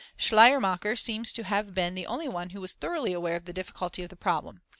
Schleiermacher seems to have been the only one who was thoroughly aware of the difficulty of the problem.